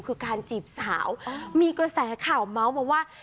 คือการจีบสาวมีกระแสข่าวเมาส์มาว่า